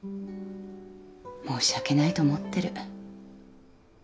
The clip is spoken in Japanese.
申し訳ないと思ってる。